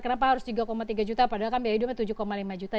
kenapa harus tiga tiga juta padahal kan biaya hidupnya tujuh lima juta